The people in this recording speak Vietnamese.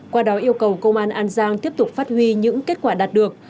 qua đó yêu cầu công an an giang tiếp tục phát huy những kết quả đạt được